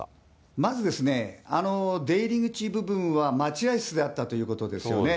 まずですね、出入り口部分は待合室であったということですよね。